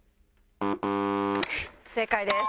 不正解です。